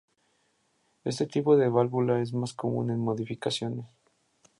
Este tipo de válvula es más común en modificaciones.